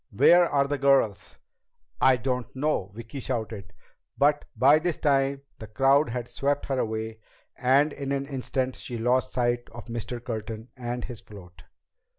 Where are the girls?" "I don't know!" Vicki shouted. But by this time the crowd had swept her away, and in an instant she lost sight of Mr. Curtin and his float.